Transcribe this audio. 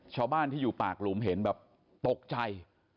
ชาวบ้านที่อยู่ปากหลุมเห็นแบบตกใจ